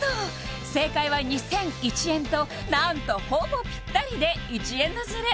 正解は２００１円と何とほぼぴったりで１円のズレ